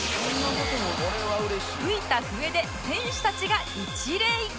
吹いた笛で選手たちが一礼